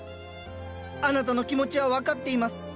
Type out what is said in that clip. あなたの気持ちは分かっています。